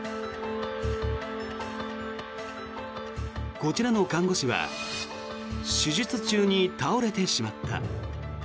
こちらの看護師は手術中に倒れてしまった。